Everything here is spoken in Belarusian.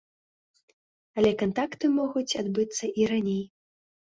Але кантакты могуць адбыцца і раней.